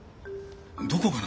「どこかな？